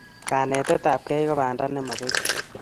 kanetet apkei ko panda nemabeku